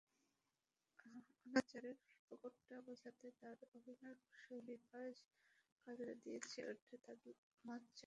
অনাচারের প্রকটটা বোঝাতে তার অভিনয়শৈলী বেশ কাজে দিয়েছে, ওটি তার মজ্জাগত।